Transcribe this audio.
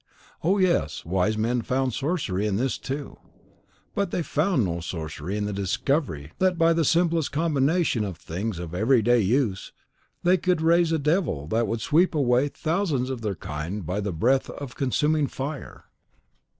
Oh, yes; wise men found sorcery in this too; but they found no sorcery in the discovery that by the simplest combination of things of every day use they could raise a devil that would sweep away thousands of their kind by the breath of consuming fire.